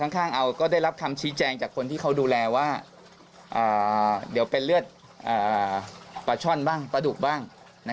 ข้างเอาก็ได้รับคำชี้แจงจากคนที่เขาดูแลว่าเดี๋ยวเป็นเลือดปลาช่อนบ้างปลาดุกบ้าง